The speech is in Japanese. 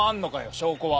証拠は！